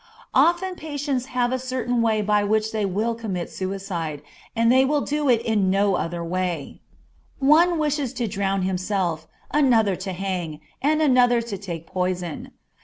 Often patients have a certain way by which they will commit suicide, and they will do it in no other; one wishes to drown himself, another to hang, and another to take poison.